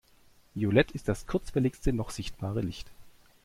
Violett ist das kurzwelligste noch sichtbare Licht.